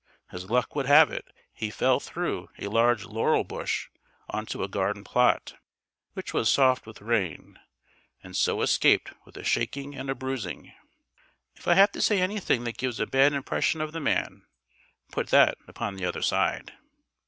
As luck would have it, he fell through a large laurel bush on to a garden plot, which was soft with rain, and so escaped with a shaking and a bruising. If I have to say anything that gives a bad impression of the man, put that upon the other side.